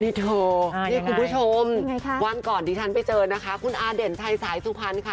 แล้ววิดเธอวางก่อนที่ฉันไปเจอคุณอาเด่นชัยสายสุทพันธุ์